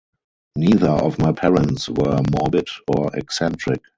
Neither of my parents were morbid or eccentric.